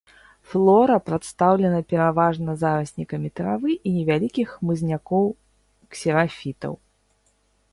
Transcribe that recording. Флора прадстаўлена пераважна зараснікамі травы і невялікіх хмызнякоў-ксерафітаў.